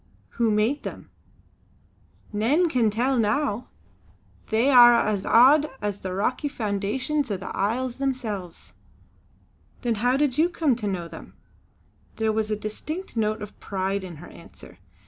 "Who made them?" "Nane can now tell. They are as aud as the rocky foundations o' the isles themselves." "Then how did you come to know them?" There was a distinct note of pride in her answer.